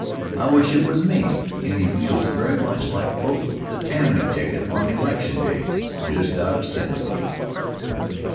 I wish it was me." And he feels very much like votin' the Tammany ticket on election day, just out of sympathy.